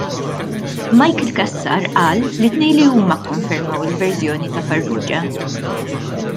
Michael Cassar qal li t-tnejn li huma kkonfermaw il-verżjoni ta' Farrugia.